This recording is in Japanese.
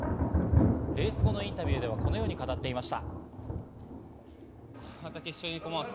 レース後のインタビューではこのように語っていました。